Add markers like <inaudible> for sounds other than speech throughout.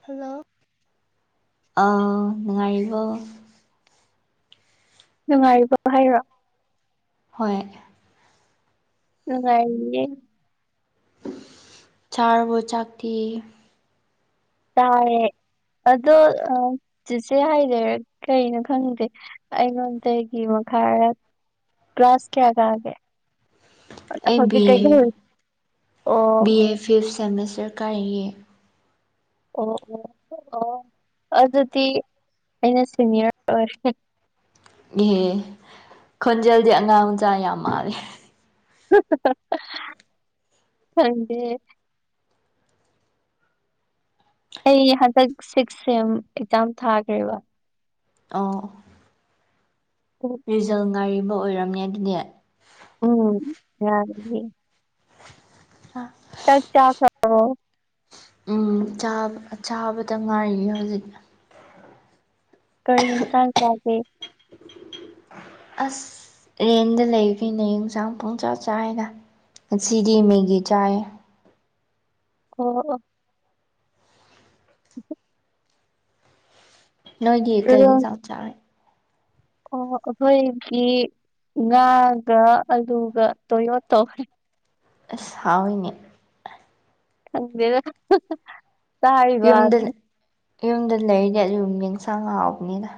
Hello ꯑ ꯅꯨꯉꯥꯏꯔꯤꯕꯣ ꯅꯨꯡꯉꯥꯏꯔꯤꯕꯣ ꯍꯥꯏꯔꯣ ꯍꯣꯏ ꯅꯨꯉꯥꯏꯔꯤꯌꯦ ꯆꯥꯔꯕꯣ ꯆꯥꯛꯇꯤ ꯆꯥꯔꯦ ꯑꯗꯣ ꯆꯤꯆꯦ ꯍꯥꯏꯗꯣꯏꯔ ꯀꯩꯅꯣ ꯈꯪꯗꯦ ꯑꯩꯉꯣꯟꯗꯒꯤ ꯃꯈꯥꯔꯥ ꯀ꯭ꯂꯥꯁ ꯀꯌꯥ ꯀꯥꯒꯦ꯫ ꯑ ꯑꯩ ꯕꯤ ꯍꯧꯖꯤꯛ ꯀꯩꯗ ꯑꯦ ꯑꯣ ꯕꯤ ꯑꯦ ꯐꯤꯞ ꯁꯦꯃꯤꯁꯇꯔ ꯀꯥꯔꯤꯌꯦ꯫ ꯑꯣ ꯑꯣ ꯑꯣ ꯑꯗꯨꯗꯤ ꯑꯩꯅ ꯁꯦꯅꯤꯌꯔ ꯑꯣꯏꯔꯦ꯫ ꯑꯦ ꯈꯣꯟꯖꯦꯜꯗꯤ ꯑꯉꯥꯡ ꯃꯆꯥ ꯌꯥꯝ ꯃꯥꯜꯂꯦ꯫ ꯍꯍꯥꯍꯥꯍꯥ ꯈꯪꯗꯦ꯫ ꯑꯩ ꯍꯟꯗꯛ ꯁꯤꯛꯁ ꯁꯦꯝ ꯑꯦꯛꯖꯥꯝ ꯊꯥꯈ꯭ꯔꯦꯕ꯫ ꯑꯣ ꯑꯣ <inaudible> ꯔꯤꯖꯜ ꯉꯥꯏꯔꯤꯕ ꯑꯣꯏꯔꯝꯅꯦ ꯑꯗꯨꯗꯤ꯫ ꯎꯝ ꯌꯥꯦ <inaudible> ꯑ <inaudible> ꯆꯥꯛ ꯆꯥꯈꯔꯥꯕꯣ ꯎꯝ ꯆꯥꯕꯗ ꯉꯥꯏꯔꯤ ꯍꯧꯖꯤꯛ ꯀꯔꯤ ꯌꯦꯟꯁꯥꯡ ꯅꯣ ꯎꯝ <inaudible> ꯑꯁ ꯔꯦꯟꯗ ꯂꯩꯕꯩꯅꯤꯅ ꯌꯦꯟꯁꯥꯡ ꯄꯨꯡꯆꯥ ꯆꯥꯏꯅ ꯉꯁꯤꯗꯤ ꯃꯦꯒꯤ ꯆꯥꯏꯌꯦ ꯑꯣ ꯑꯣ ꯅꯣꯏꯗꯤ ꯀꯩ ꯏꯔꯣꯟ ꯏꯪꯖꯥꯡ ꯆꯥꯔꯦ ꯑꯣ ꯑꯩꯈꯣꯏꯒꯤ ꯉꯥꯒ ꯑꯂꯨꯒ ꯇꯣꯏꯌꯣ ꯇꯧꯈ꯭ꯔꯦ ꯑꯁ ꯍꯥꯎꯏꯅꯦ ꯈꯪꯗꯦꯗꯥ꫰ ꯌꯨꯝꯗ ꯌꯨꯝꯗ ꯂꯩꯔꯗꯤ ꯑꯗꯨꯝ ꯌꯦꯟꯁꯥꯡ ꯍꯥꯎꯕꯅꯤꯗ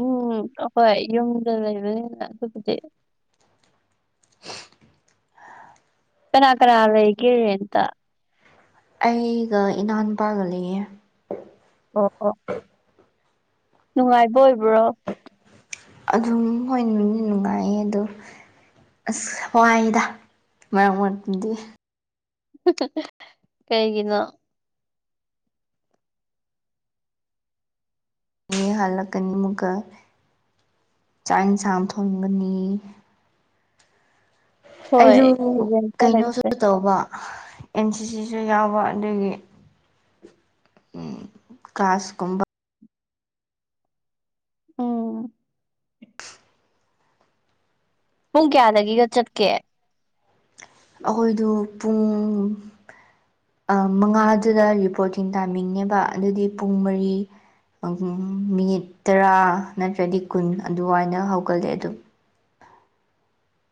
ꯎꯝ ꯑꯍꯣꯏ ꯌꯨꯝꯗ ꯂꯩꯕꯅꯤꯅ ꯑꯗꯨꯕꯨꯗꯤ ꯀꯅꯥ ꯀꯅꯥ ꯑꯩꯒꯦ ꯔꯦꯟꯠ ꯇꯥ ꯑꯩꯒ ꯏꯅꯥꯎꯅꯨꯄꯥꯒ ꯂꯩꯌꯦ ꯑꯣ ꯑꯣ ꯅꯨꯡꯉꯥꯏꯕ ꯑꯣꯏꯕ꯭ꯔꯣ ꯑꯗꯨꯝꯍꯣꯏ ꯅꯨꯡꯗꯤ ꯅꯨꯉꯥꯏꯌꯦ ꯑꯗꯣ ꯑꯁ ꯋꯥꯏꯗ ꯃꯔꯛ ꯃꯔꯛꯇꯗꯤ ꯀꯩꯒꯤꯅꯣ ꯌꯦ ꯍꯜꯂꯛꯀꯅꯤ ꯑꯃꯨꯛꯀ ꯆꯥꯛ ꯌꯦꯟꯁꯥꯡ ꯑꯃꯨꯛ ꯊꯣꯡꯒꯅꯤ ꯍꯣꯏ ꯑꯩꯗꯨ ꯔꯦꯟꯇ ꯀꯩꯅꯣꯁꯨ ꯂꯩꯕꯁꯦ ꯇꯧꯕ ꯑꯦꯟ ꯁꯤ ꯁꯤꯁꯨ ꯌꯥꯎꯕ ꯑꯗꯨꯒꯤ ꯀ꯭ꯂꯥꯁꯀꯨꯝꯕ ꯎꯝ ꯄꯨꯡ ꯀꯌꯥꯗꯒꯤꯒ ꯆꯠꯀꯦ ꯑꯩꯈꯣꯏꯗꯨ ꯄꯨꯡ ꯃꯉꯥꯗꯨꯗ ꯔꯤꯄꯣꯔꯠꯇꯤꯡ ꯇꯥꯏꯃꯤꯡꯅꯦꯕ ꯑꯗꯨꯗꯤ ꯄꯨꯡ ꯃꯔꯤ ꯃꯤꯅꯤꯠ ꯇꯔꯥ ꯅꯠꯇ꯭ꯔꯗꯤ ꯀꯨꯟ ꯑꯗꯨꯋꯥꯥꯏꯅ ꯍꯧꯒꯠꯂꯦ ꯑꯗꯨꯝ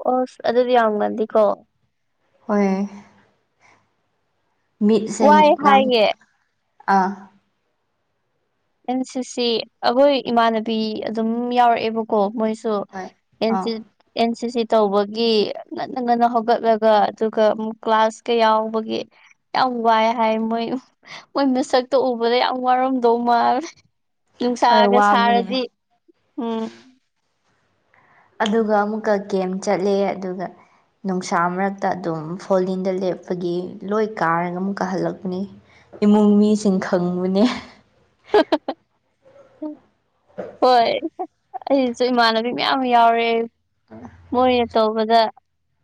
ꯑꯣꯁ ꯑꯗꯨꯗꯤ ꯌꯥꯝ ꯉꯥꯜꯂꯤꯒꯣ ꯍꯣꯏ ꯃꯤꯠꯁꯦ ꯋꯥꯏ ꯍꯥꯏꯌꯦ ꯑꯥ ꯑꯦꯟ ꯁꯤꯁ ꯑꯩꯈꯣꯏ ꯏꯃꯥꯟꯅꯕꯤ ꯑꯗꯨꯝ ꯌꯥꯎꯔꯛꯑꯦꯕ ꯀꯣ ꯃꯣꯏꯁꯨ ꯍꯣꯏ ꯑꯥ ꯑꯦꯟꯁꯤ ꯑꯦꯟ ꯁꯤ ꯁꯤ ꯇꯧꯕꯒꯤ ꯉꯟꯅ ꯉꯟꯅ ꯍꯧꯒꯠꯂꯒ ꯑꯗꯨꯒꯛ ꯀ꯭ꯂꯥꯁꯀ ꯌꯥꯎꯕꯒꯤ ꯌꯥꯝ ꯋꯥꯏ ꯍꯥꯏ ꯃꯣꯏ ꯃꯣꯏ ꯃꯤꯁꯛꯇ ꯎꯕꯗ ꯌꯥꯝ ꯋꯥꯔꯝꯗꯧ ꯀꯨꯃꯥꯜ ꯍꯣꯏ ꯅꯨꯡꯁꯥꯒ ꯋꯥꯕꯅꯦ ꯁꯥꯔꯗꯤ ꯎꯝ ꯑꯗꯨꯒ ꯑꯃꯨꯛꯀ ꯒꯦꯝ ꯆꯠꯂꯦ ꯑꯗꯨꯒ ꯅꯨꯡꯁꯥ ꯃꯔꯛꯇ ꯑꯗꯨꯝ ꯐꯣꯂꯤꯟꯗ ꯂꯦꯞꯄꯒꯤ ꯂꯣꯏ ꯀꯥꯔꯒ ꯑꯃꯨꯛꯀꯥ ꯍꯜꯂꯛꯄꯅꯤ ꯏꯃꯨꯡ ꯃꯤꯁꯤꯡ ꯈꯪꯕꯅꯦ ꯍꯣꯏ ꯑꯩꯁꯨ ꯏꯃꯥꯟꯅꯕꯤ ꯃꯌꯥꯝ ꯑꯃ ꯌꯥꯎꯔꯦ ꯎꯝ <inaudible> ꯃꯣꯏꯅ ꯇꯧꯕꯗ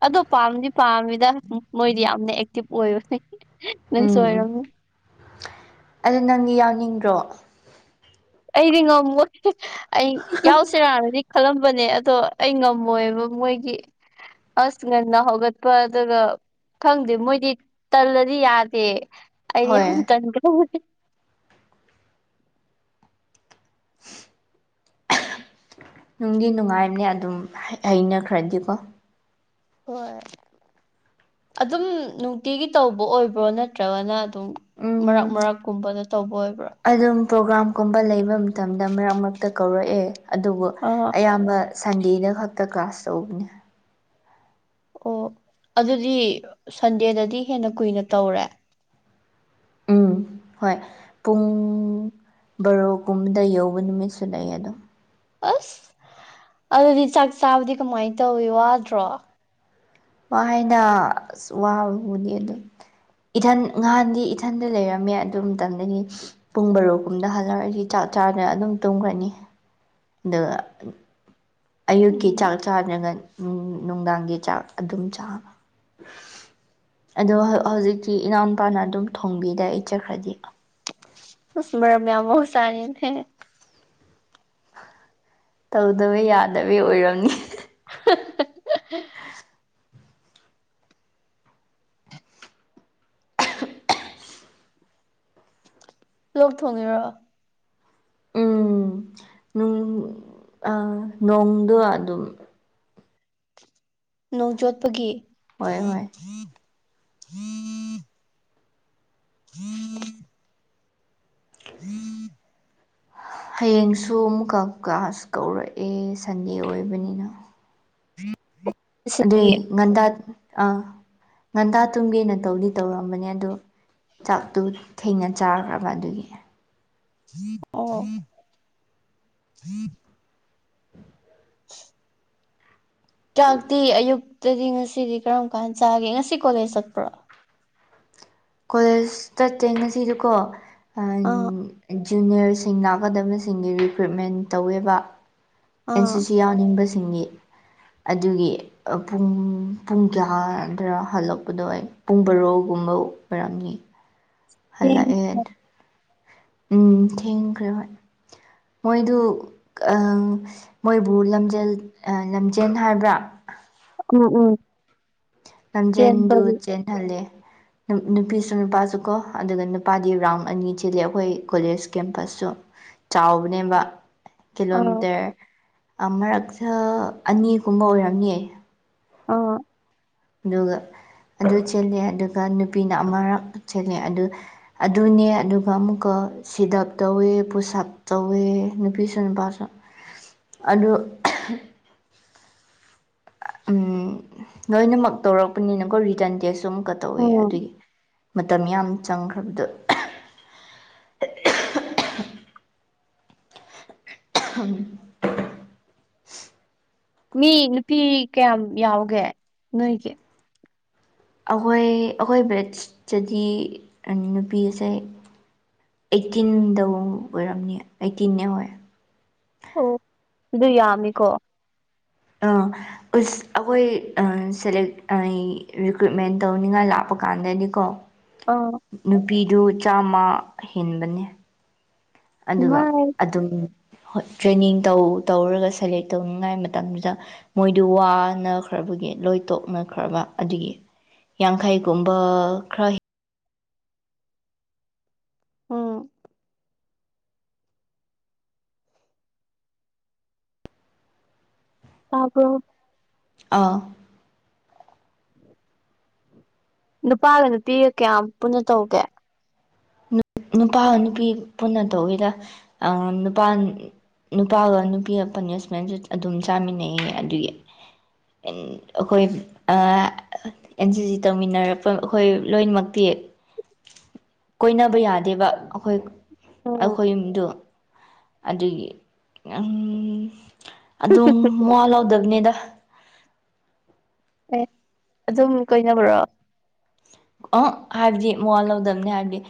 ꯑꯗꯣ ꯄꯥꯝꯗꯤ ꯄꯥꯝꯃꯤꯗ ꯃꯣꯏꯗꯤ ꯌꯥꯝꯅ ꯑꯦꯛꯇꯤꯞ ꯑꯣꯏꯕꯥꯅꯤ ꯎꯝ ꯎꯝ ꯑꯗꯣ ꯅꯪꯗꯤ ꯌꯥꯎꯅꯤꯡꯗ꯭ꯔꯣ ꯑꯩꯗꯤ ꯉꯝꯃꯣꯏ ꯑꯩ ꯌꯥꯎꯁꯤꯔꯥꯅꯗꯤ ꯈꯜꯂꯝꯕꯅꯦ ꯑꯗꯣ ꯑꯩ ꯉꯝꯃꯣꯏꯕ ꯃꯣꯏꯒꯤ ꯑꯁ ꯉꯟꯅ ꯍꯧꯒꯠꯄ ꯑꯗꯨꯒ ꯈꯪꯗꯦ ꯃꯣꯏꯗꯤ ꯇꯜꯂꯗꯤ ꯌꯥꯗꯦ ꯑꯩꯗꯤ ꯌꯥꯝ ꯍꯣꯏ ꯇꯟꯒ ꯅꯨꯡꯗꯤ ꯅꯨꯡꯉꯥꯏꯕꯅꯦ ꯑꯗꯨꯝ ꯍꯩꯅꯈ꯭ꯔꯗꯤꯀꯣ ꯍꯣꯏ ꯑꯗꯨꯝ ꯅꯨꯡꯇꯤꯒꯤ ꯇꯧꯕ ꯑꯣꯏꯕ꯭ꯔꯣ ꯅꯠꯇ꯭ꯔꯒꯅ ꯑꯗꯨꯝ ꯃꯔꯛ ꯎꯝ ꯃꯔꯛꯀꯨꯝꯕꯗ ꯇꯧꯕ ꯑꯣꯏꯕ꯭ꯔꯥ ꯑꯗꯨꯝ ꯄ꯭ꯔꯣꯒꯥ꯭ꯔꯥꯝꯒꯨꯝꯕ ꯂꯩꯕ ꯃꯇꯝꯗ ꯃꯔꯛ ꯃꯔꯛꯇ ꯀꯧꯔꯛꯑꯦ ꯑꯗꯨꯕꯨ ꯑꯥ ꯑꯌꯥꯝꯕ ꯁꯟꯗꯦꯗ ꯈꯛꯇ ꯀ꯭ꯂꯥꯁ ꯇꯧꯕꯅꯦ ꯑꯣ ꯑꯗꯨꯗꯤ ꯁꯟꯗꯦꯗꯗꯤ ꯍꯦꯟꯅ ꯀꯨꯏꯅ ꯇꯧꯔꯦ ꯎꯝ ꯍꯣꯏ ꯄꯨꯡ ꯕꯥꯔꯣ ꯀꯨꯝꯕꯗ ꯌꯧꯕ ꯅꯨꯃꯤꯠꯁꯨ ꯂꯩ ꯑꯗꯣ ꯑꯁ ꯑꯗꯨꯗꯤ ꯆꯥꯛ ꯆꯥꯕꯗꯤ ꯀꯃꯥꯏꯅ ꯇꯧꯋꯤ ꯋꯥꯗ꯭ꯔꯣ ꯋꯥꯅ ꯑꯁ ꯋꯥꯕꯕꯨꯅꯤ ꯑꯗꯨ ꯏꯊꯟ ꯉꯍꯥꯟꯗꯤ ꯏꯊꯟꯗ ꯂꯩꯔꯝꯃꯦ ꯑꯗꯨ ꯃꯇꯝꯗꯒꯤ ꯄꯨꯡ ꯕꯔꯣꯛꯒꯨꯝꯗ ꯍꯖꯔꯛꯑꯁꯤ ꯆꯥꯛ ꯆꯥꯅ ꯑꯗꯨꯝ ꯇꯨꯝꯈ꯭ꯔꯅꯤ ꯑꯗꯨꯒ ꯑꯌꯨꯛꯀꯤ ꯎꯝ ꯆꯥꯛ ꯆꯥꯗ꯭ꯔꯒ ꯅꯨꯡꯗꯥꯡꯒꯤ ꯆꯥꯛ ꯑꯗꯨꯝ ꯆꯥꯕ ꯑꯗꯣ ꯍꯧꯖꯤꯛꯇꯤ ꯏꯅꯥꯎꯄꯥꯅ ꯑꯗꯨꯝ ꯊꯣꯡꯕꯤꯗ ꯑꯩ ꯆꯠꯈ꯭ꯔꯗꯤ ꯃꯔꯔꯝꯌꯥꯝ ꯆꯥꯅꯤꯅꯍꯦ ꯇꯧꯗꯕ ꯌꯥꯗꯕ ꯑꯣꯏꯔꯝꯃꯤ <unintelligible> ꯂꯣꯛ ꯊꯣꯡꯉꯦꯔꯣꯑꯣ ꯎꯝ ꯅꯣꯡꯗꯣ ꯑꯗꯨꯝ ꯅꯣꯡ ꯆꯣꯠꯄꯒꯤ ꯍꯣꯏ ꯍꯣꯏ ꯎꯝ ꯎꯝ ꯍꯌꯦꯡꯁꯨ ꯑꯃꯨꯛꯀ ꯀ꯭ꯂꯥꯁ ꯀꯧꯔꯛꯑꯦ ꯁꯟꯗꯦ ꯑꯣꯏꯕꯅꯤꯅ ꯎꯝ ꯑꯗꯨꯏ ꯉꯟꯗꯥ ꯑꯥ ꯉꯟꯗꯥ ꯇꯨꯝꯒꯦꯅ ꯇꯧꯗꯤ ꯇꯧꯔꯝꯕꯅꯦ ꯑꯗꯣ ꯆꯥꯛꯇꯨ ꯊꯦꯡꯅ ꯆꯥꯈ꯭ꯔꯕ ꯑꯗꯨꯒꯤ ꯝꯝ ꯀꯥꯛꯇꯤ ꯑꯌꯨꯛꯇꯗꯤ ꯉꯁꯤꯗꯤ ꯀꯔꯝ ꯀꯥꯟ ꯆꯥꯒꯦ ꯉꯁꯤ ꯀꯣꯂꯦꯖ ꯆꯠꯄ꯭ꯔꯣ ꯀꯣꯂꯦꯖ ꯆꯠꯇꯦ ꯉꯁꯤꯗꯤꯀꯣ ꯑꯥ ꯟꯖꯨꯅꯤꯌꯔꯁꯤꯡ ꯂꯥꯛꯀꯗꯕꯁꯤꯡꯒꯤ ꯔꯤꯀ꯭ꯔꯨꯏꯠꯃꯦꯟ ꯇꯧꯋꯦꯕ ꯑꯦꯟ ꯑꯥ ꯁꯤ ꯁꯤ ꯌꯥꯎꯅꯤꯡꯕꯁꯤꯡꯒꯤ ꯑꯗꯨꯒꯤ ꯄꯨꯡ ꯄꯨꯡ ꯀꯌꯥꯗꯔ ꯍꯜꯂꯛꯄꯗꯣ ꯑꯣꯏ ꯄꯨꯡ ꯕꯔꯣꯒꯨꯝꯕ ꯑꯣꯏꯔꯝꯅꯤ ꯊꯦꯡ ꯍꯜꯂꯛꯑꯦ ꯎꯝ ꯊꯦꯡꯈ꯭ꯔꯦ ꯍꯚꯣꯏ ꯃꯣꯏꯗꯨ ꯃꯣꯏꯕꯨ ꯂꯝꯖꯦꯜ ꯂꯝꯖꯦꯜ ꯍꯥꯏꯕ꯭ꯔꯥ ꯎꯝ ꯎꯝ ꯂꯝꯖꯦꯟꯗꯨ ꯆꯦꯟꯕꯒꯤ ꯆꯦꯟꯍꯜꯂꯦ ꯅꯨꯄꯤꯁꯨ ꯅꯨꯄꯥꯁꯨ ꯀꯣ ꯑꯗꯨꯒ ꯅꯨꯄꯥꯗꯤ ꯔꯥꯎꯟ ꯑꯅꯤ ꯊꯤꯂꯦ ꯑꯩꯈꯣꯏ ꯀꯣꯂꯦꯖ ꯀꯦꯝꯄꯁꯁꯨ ꯆꯥꯎꯕꯅꯦꯕ ꯑꯥ ꯀꯤꯂꯣꯃꯤꯇꯔ ꯃꯔꯛꯁ ꯑꯅꯤꯒꯨꯝꯕ ꯑꯣꯏꯔꯝꯅꯤꯌꯦ ꯑꯥ ꯑꯗꯨꯒ ꯑꯗꯨ ꯆꯦꯂꯦ ꯑꯗꯨꯒ ꯅꯨꯄꯤꯅ ꯑꯃꯔꯛ ꯆꯦꯂꯦ ꯑꯗꯨ ꯑꯗꯨꯅꯦ ꯑꯗꯨꯒ ꯑꯃꯨꯛꯀ ꯁꯤꯗꯞ ꯇꯧꯋꯦ ꯄꯨꯁꯥꯞ ꯇꯧꯋꯦ ꯅꯨꯄꯤꯁꯨ ꯅꯨꯄꯥꯁꯨ ꯑꯗꯨ ꯂꯣꯏꯅꯃꯛ ꯇꯧꯔꯛꯄꯅꯤꯅꯀꯣ ꯔꯤꯇꯔꯟ ꯇꯦꯁ ꯑꯨꯝ ꯀ ꯇꯧꯋꯦ ꯎꯝ ꯑꯗꯨꯒꯤ ꯃꯇꯝ ꯌꯥꯝ ꯆꯪꯈ꯭ꯔꯕꯗꯣ ꯎꯝ ꯃꯤ ꯅꯨꯄꯤ ꯀꯌꯥꯝ ꯌꯥꯎꯒꯦ ꯅꯣꯏꯒꯤ ꯑꯩꯈꯣꯏ ꯑꯩꯈꯣꯏ ꯕꯦꯠꯇꯗꯤ ꯅꯨꯄꯤ ꯑꯁꯦ ꯑꯩꯠꯇꯤꯟꯗꯧ ꯑꯣꯏꯔꯝꯅꯤ ꯑꯩꯠꯇꯤꯟꯅꯦ ꯑꯣꯏ ꯑꯣ ꯑꯗꯨ ꯌꯥꯝꯃꯤꯀꯣ ꯑꯥ ꯎꯁ ꯑꯩꯈꯣꯏ ꯁꯦꯂꯦꯛ ꯔꯤꯀ꯭ꯔꯨꯠꯃꯦꯟ ꯇꯧꯅꯤꯡꯉꯥꯏ ꯂꯥꯛꯄ ꯀꯥꯟꯗꯗꯤꯀꯣ ꯑ ꯅꯨꯄꯤꯗꯨ ꯆꯥꯝꯃ ꯍꯦꯟꯕꯅꯦ ꯑꯗꯨꯒ ꯃꯥꯏ ꯑꯗꯨꯝ ꯍꯣꯏ ꯇ꯭ꯔꯦꯅꯤꯡ ꯇꯧ ꯇꯧꯔꯒ ꯁꯦꯂꯦꯛ ꯇꯧꯅꯤꯡꯉꯥꯏ ꯃꯇꯝꯗꯨꯗ ꯃꯣꯏꯗꯨ ꯋꯥꯅꯈ꯭ꯔꯕꯒꯤ ꯂꯣꯏ ꯇꯣꯛꯅꯈ꯭ꯔꯕ ꯑꯗꯨꯒꯤ ꯌꯥꯡꯈꯩꯒꯨꯝꯕ ꯈ꯭ꯔ ꯍ ꯑꯝ ꯇꯄ ꯑꯥ ꯅꯨꯄꯥꯒ ꯅꯨꯄꯤꯒ ꯀꯌꯥꯝ ꯄꯨꯟꯅ ꯇꯧꯒꯦ ꯅꯨꯄꯥ ꯅꯨꯄꯤ ꯄꯨꯟꯅ ꯇꯧꯋꯏꯗ ꯅꯨꯄꯥ ꯅꯨꯄꯥꯒ ꯅꯨꯄꯤꯒ ꯄꯅꯤꯁꯃꯦꯟꯁꯨ ꯑꯗꯨꯝ ꯆꯥꯃꯤꯟꯅꯩꯌꯦ ꯑꯗꯨꯒꯤ ꯑꯩꯈꯣꯏ ꯑ ꯑꯦꯟ ꯁꯤ ꯇꯧꯃꯤꯟꯅꯔꯛꯄ ꯑꯩꯈꯣꯏ ꯂꯣꯏꯅꯃꯛꯇꯤ ꯀꯣꯏꯅꯕ ꯌꯥꯗ ꯑꯩꯕ ꯑꯩꯈꯣꯏ ꯎꯝ ꯑꯩꯈꯣꯏ ꯌꯨꯝꯗꯨ ꯑꯗꯨꯒꯤ ꯑꯗꯨꯝ ꯃꯋꯥ ꯂꯥꯎꯗꯕꯅꯤꯗ ꯑꯦ ꯑꯗꯨꯝ ꯀꯣꯏꯅꯕ꯭ꯔꯣ ꯑ ꯍꯥꯏꯕꯗꯤ ꯃꯜ ꯂꯧꯗꯕꯅꯤ ꯍꯥꯏꯕꯗꯤ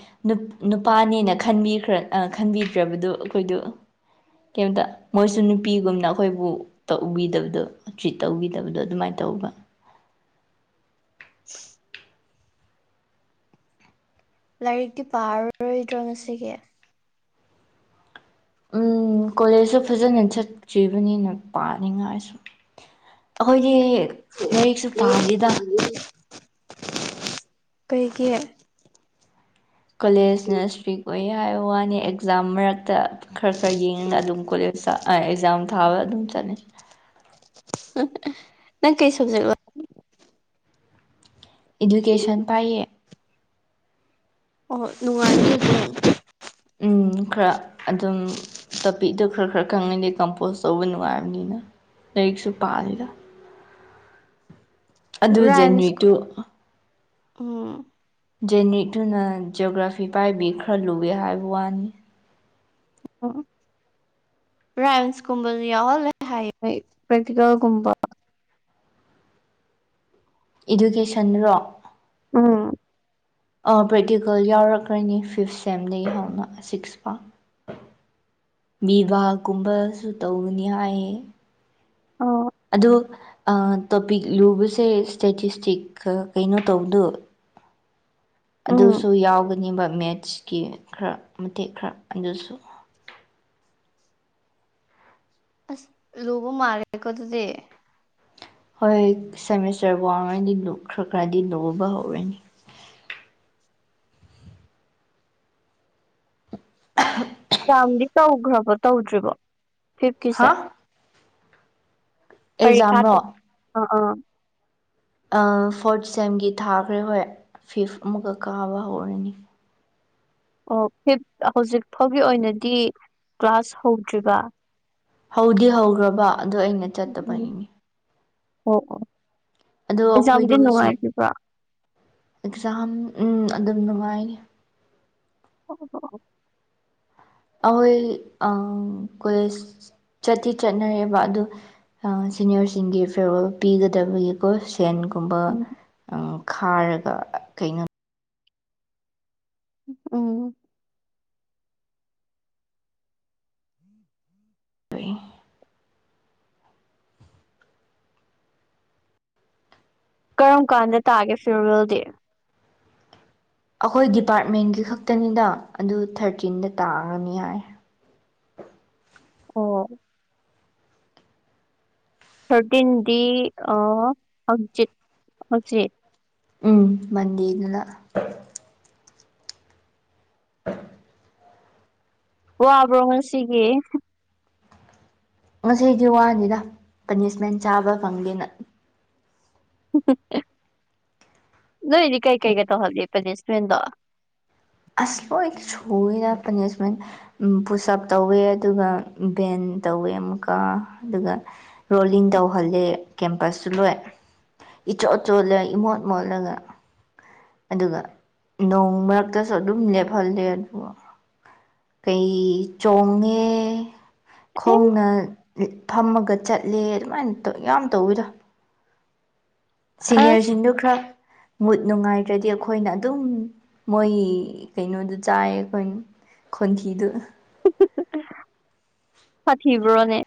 ꯅꯨꯄꯥꯅꯦꯅ ꯈꯟꯕꯤꯈ꯭ꯔ ꯈꯟꯕꯤꯗ꯭ꯔꯕꯗꯨ ꯑꯩꯈꯣꯏꯗꯨ ꯀꯩꯝꯇ ꯃꯣꯏꯁꯨ ꯅꯨꯄꯤꯒꯨꯝꯅ ꯑꯩꯈꯣꯏꯕꯨ ꯇ ꯎꯕꯤꯗꯕꯗꯣ ꯇ꯭ꯔꯤꯠ ꯇꯧꯕꯤꯗꯕꯗꯣ ꯑꯗꯨꯃꯥꯏꯅ ꯇꯧꯕ <inaudible> ꯂꯥꯏꯔꯤꯛꯇꯤ ꯄꯥꯔꯔꯣꯏꯗ꯭ꯔꯣ ꯉꯁꯤꯒꯤ ꯎꯝ ꯀꯣꯂꯦꯖꯁꯨ ꯐꯖꯅ ꯆꯠꯇ꯭ꯔꯤꯕꯅꯤꯅ ꯄꯥꯅꯤꯡꯉꯥꯏꯁꯨꯨꯝ ꯑꯩꯈꯣꯏꯒꯤ ꯂꯥꯏꯔꯤꯛꯁꯨ ꯄꯥꯗꯦꯗ ꯀꯩꯒꯤꯦ ꯀꯣꯂꯦꯖꯅ ꯏꯁꯇ꯭ꯔꯤꯛ ꯑꯣꯏ ꯍꯥꯏꯕ ꯋꯥꯅꯤ ꯑꯦꯛꯖꯥꯝ ꯃꯔꯛꯇ ꯈꯔ ꯈꯔ ꯌꯦꯡꯉꯒ ꯑꯗꯨꯝ ꯀꯣꯂꯦꯖ ꯁꯥ ꯑꯥꯢ ꯑꯦꯛꯖꯥꯝ ꯊꯥꯕ ꯑꯗꯨꯝ ꯆꯠꯅꯤ꯫ ꯅꯪ ꯀꯩ ꯁꯕꯖꯦꯛ ꯂ ꯏꯗꯨꯀꯦꯁꯟ ꯄꯥꯏꯌꯦ꯫ ꯑꯣ ꯅꯨꯡꯉꯥꯏ <unintelligible> ꯎ ꯈꯔ ꯑꯗꯨꯝ ꯇꯄꯤꯗ ꯈꯔ ꯈꯔ ꯈꯪꯉꯗꯤ ꯀꯝꯄꯣꯁ ꯇꯧꯕ ꯅꯨꯡꯉꯥꯏꯕꯅꯤꯅ ꯂꯥꯏꯔꯤꯛꯁꯨ ꯄꯥꯜꯂꯤꯗ꯫ ꯑꯗꯨ ꯔꯥꯏꯝꯁ ꯖꯦꯅꯔꯤꯛꯇꯨ ꯎꯝ ꯖꯦꯅꯤꯛꯇꯨꯅ ꯖꯤꯑꯣꯒ꯭ꯔꯥꯐꯤ ꯄꯥꯏꯕꯤ ꯈꯔ ꯂꯨꯏꯌꯦ ꯍꯥꯏꯕ ꯋꯥꯅꯤ꯫ ꯑꯣ꯫ ꯔꯥꯏꯁꯀꯨꯝꯕ ꯌꯥꯎꯜ ꯍꯥꯏ ꯀ꯭ꯔꯦꯇꯤꯀꯦꯜꯒꯨꯝꯕ ꯏꯗꯨꯀꯦꯁꯟꯔꯣ ꯎꯝ ꯄ꯭ꯔꯦꯛꯇꯤꯀꯜ ꯌꯥꯎꯔꯛꯈ꯭ꯔꯅꯤ ꯐꯤꯐ ꯁꯦꯝꯗꯒꯤꯩ ꯍꯧꯅ ꯁꯤꯛꯁ ꯄꯥ ꯕꯥꯀꯨꯝꯕꯁꯨ ꯇꯧꯅꯤ ꯍꯥꯏꯌꯦ ꯑ ꯑꯗ ꯇꯣꯄꯤꯛ ꯂꯨꯕꯁꯦ ꯁ꯭ꯇꯦꯇꯤꯁꯇꯤꯛ ꯀꯩꯅꯣ ꯇꯧꯕꯗꯣ ꯎꯝ ꯑꯗꯨꯁꯨ ꯌꯥꯎꯒꯅꯦꯕ ꯃꯦꯠꯁꯀꯤ ꯈꯔ ꯃꯇꯦꯛ ꯈꯔ ꯑꯗꯨꯁꯨ ꯑꯁ ꯂꯨꯕ ꯃꯥꯜꯔꯦꯀꯣ ꯑꯗꯨꯗꯤ ꯍꯣꯏ ꯁꯦꯃꯤꯁꯇꯔꯐꯥꯎꯔꯉꯩꯗꯤ ꯈꯔ ꯈꯔꯗꯤ ꯂꯨꯕ ꯍꯧꯔꯅꯤ ꯎ ꯑꯦꯛ ꯆꯥꯝꯗꯤ ꯇꯧꯈ꯭ꯔꯕꯣ ꯇꯧꯗ꯭ꯔꯤꯕꯣ ꯍꯥ ꯐꯤꯐꯀꯤꯁꯦ ꯄꯔꯤꯈꯥ ꯑꯦꯛꯖꯥꯝꯔꯣ ꯑ ꯑ ꯑꯥ ꯐꯣꯔꯠ ꯁꯦꯝꯒꯤ ꯊꯥꯈ꯭ꯔꯦ ꯍꯣꯏ ꯐꯤꯐ ꯑꯃꯨꯛꯀ ꯀꯥꯕ ꯍꯧꯔꯅꯤ꯫ ꯑꯣ ꯐꯤꯐ ꯍꯧꯖꯤꯛ ꯐꯥꯎꯒꯤ ꯑꯣꯏꯅꯗꯤ ꯀ꯭ꯂꯥꯁ ꯍꯧꯗ꯭ꯔꯤꯕ꯫ ꯍꯧꯗꯤ ꯍꯧꯒ꯭ꯔꯕ ꯑꯗꯨ ꯑꯩꯅ ꯎꯝ ꯎꯝ ꯆꯠꯇꯕꯒꯤꯅꯤ ꯑꯣ ꯑꯣ ꯑꯗꯣ ꯑꯦꯖꯥꯝꯗꯤ ꯑꯩꯈꯣꯏꯗꯨ ꯁꯤ ꯅꯨꯡꯉꯥꯏꯔꯤꯕ꯭ꯔꯥ꯫ ꯑꯦꯛꯖꯥꯝ ꯎꯝ ꯑꯗꯨꯝ ꯅꯨꯡꯉꯥꯏꯅꯤ꯫ ꯑꯣ <unintelligible> ꯑꯍꯣꯢ ꯑꯥ ꯀꯣꯏꯁ ꯆꯠꯇꯤ ꯆꯠꯅꯔꯦꯕ ꯑꯗꯨ ꯁꯤꯅꯤꯌꯔꯁꯤꯡꯒꯤ ꯐꯦꯌꯔꯋꯜ ꯄꯤꯒꯗꯕꯒꯤꯀꯣ ꯐꯦꯟꯒꯨꯝꯕ ꯎꯝ ꯈꯥꯔꯒ ꯀꯩꯅꯣ꯫ ꯎꯝ꯫ ꯕꯩ ꯀꯔꯝ ꯀꯥꯟꯗ ꯇꯥꯒꯦ ꯐꯤꯌꯔꯋꯦꯜꯗꯤ꯫ ꯑꯈꯣꯏ ꯗꯤꯄꯥꯔꯠꯃꯦꯟꯒꯤ ꯈꯛꯇꯅꯤꯗ ꯑꯗꯨ ꯊꯔꯇꯤꯟꯗ ꯇꯥꯒꯅꯤ ꯍꯥꯢ꯫ ꯑꯣ꯫ ꯊꯥꯔꯇꯤꯟꯗꯤ ꯑ ꯍꯡꯆꯤꯠ ꯍꯪꯆꯤꯠ꯫ ꯎꯝ ꯃꯟꯗꯦꯗꯨꯅ꯫ <inaudible> ꯋꯥꯕ꯭ꯔꯣ ꯉꯁꯤꯒꯤ꯫ ꯉꯁꯤꯗꯤ ꯋꯥꯅꯤꯅ ꯄꯥꯅꯤꯁꯃꯦꯟ ꯆꯥꯕ ꯐꯪꯗꯦꯅ꯫ ꯍꯨ ꯍꯨ ꯅꯣꯏꯗꯤ ꯀꯩ ꯀꯩꯒ ꯇꯧꯍꯜꯂꯤ ꯄꯦꯅꯤꯁꯃꯦꯟꯗꯣ꯫ ꯑꯁ ꯂꯣꯢ ꯁꯨꯏꯗ ꯄꯅꯤꯁꯃꯦꯟꯗꯤ ꯄꯨꯁꯑꯞ ꯇꯧꯋꯦ ꯑꯗꯨꯒ ꯚꯦꯟ ꯇꯧꯋꯦ ꯑꯃꯨꯛꯀ ꯑꯗꯨꯒ ꯔꯣꯜꯂꯤꯡ ꯇꯧꯍꯜꯂꯦ ꯀꯦꯝꯄꯁꯁꯨ ꯂꯣꯏ ꯏꯆꯣꯠ ꯆꯣꯠꯂ ꯏꯃꯣꯠ ꯃꯣꯠꯂꯒ ꯑꯗꯨꯒ ꯅꯣꯡ ꯃꯔꯛ ꯗꯁꯨ ꯑꯗꯨꯝ ꯂꯦꯞꯐꯜꯂꯦ ꯑꯗꯨ ꯀꯩ ꯆꯣꯡꯉꯦ ꯑꯦ ꯈꯣꯡꯅ ꯐꯝꯃꯒ ꯆꯠꯂꯦ ꯑꯗꯨꯃꯥꯏ ꯇꯧ ꯌꯥꯝ ꯇꯧꯋꯤꯗ꯫ ꯑꯁ ꯁꯤꯅꯤꯌꯔꯁꯤꯡꯗꯨ ꯈꯔ ꯃꯨꯠ ꯅꯨꯡꯉꯥꯏꯇ꯭ꯔꯗꯤ ꯑꯈꯣꯏꯅ ꯑꯗꯨꯝ ꯃꯣꯏ ꯀꯩꯅꯣꯗꯨ ꯆꯥꯏꯌꯦ ꯑꯈꯣꯏꯅ꯫ ꯈꯣꯟꯊꯤꯗꯨ꯫ ꯍꯨ ꯍꯨ ꯍꯨ ꯍꯥꯊꯤꯕ꯭ꯔꯣꯅꯦ꯫